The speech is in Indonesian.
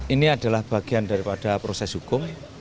ini adalah bagian daripada proses hukum